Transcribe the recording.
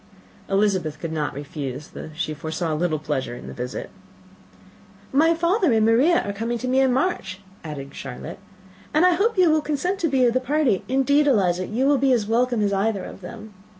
Elizabeth could not refuse, though she foresaw little pleasure in the visit. "My father and Maria are to come to me in March," added Charlotte, "and I hope you will consent to be of the party. Indeed, Eliza, you will be as welcome to me as either of them."